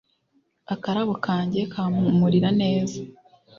Akarabo kanjye kampumurira neza